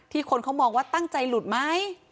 คนเขามองว่าตั้งใจหลุดไหม